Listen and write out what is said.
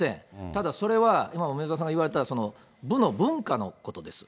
ただ、それは今、梅沢さんも言われた部の文化のことです。